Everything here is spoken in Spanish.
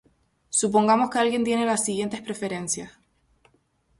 Supongamos que alguien tiene las siguientes preferencias.